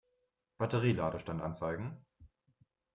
Batterie-Ladestand anzeigen.